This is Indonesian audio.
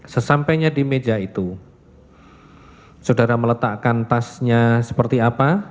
sesampainya di meja itu saudara meletakkan tasnya seperti apa